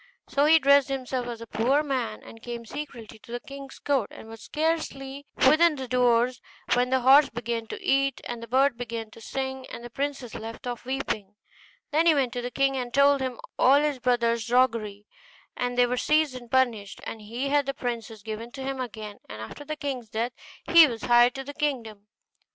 So he dressed himself as a poor man, and came secretly to the king's court, and was scarcely within the doors when the horse began to eat, and the bird to sing, and the princess left off weeping. Then he went to the king, and told him all his brothers' roguery; and they were seized and punished, and he had the princess given to him again; and after the king's death he was heir to his kingdom.